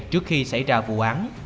trước khi xảy ra vụ án